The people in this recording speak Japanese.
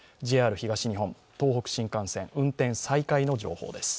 ＪＲ東日本、東北新幹線、運転再開の情報です。